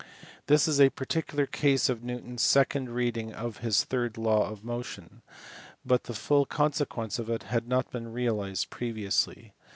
This is a particular case of Newton s second reading of his third law of motion, but the full consequence of it had not been realized previously.